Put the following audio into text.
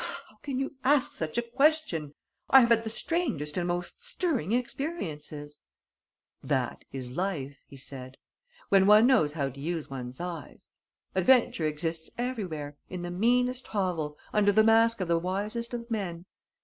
"How can you ask such a question? I have had the strangest and most stirring experiences." "That is life," he said. "When one knows how to use one's eyes. Adventure exists everywhere, in the meanest hovel, under the mask of the wisest of men.